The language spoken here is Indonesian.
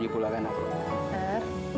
itu wah kecil